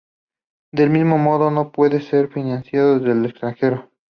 Del mismo modo no pueden ser financiados desde el extranjero.